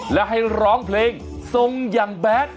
และให้ร้องเพลงทรงอย่างแบด